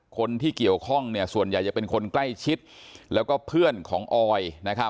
คนที่เกี่ยวข้องเนี่ย